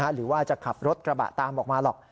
หรือว่าจะขับรถกระบะตามออกมาหรอก